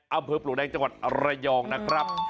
ปลวกแดงจังหวัดระยองนะครับ